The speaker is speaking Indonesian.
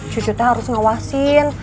cucu tuh harus ngawasin